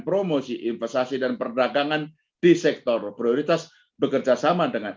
promosi investasi dan perdagangan di sector prioritas bekerjasama dengan